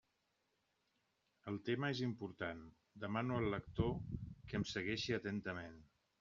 El tema és important; demano al lector que em segueixi atentament.